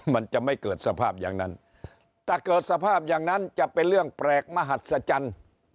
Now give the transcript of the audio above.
มันจะไม่เกิดสภาพอย่างนั้นถ้าเกิดสภาพอย่างนั้นจะเป็นเรื่องแปลกมหัศจรรย์